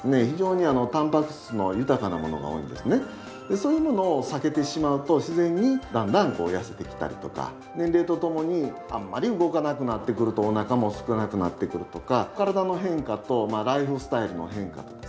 そういうものを避けてしまうと自然にだんだん痩せてきたりとか年齢とともにあんまり動かなくなってくるとおなかもすかなくなってくるとか。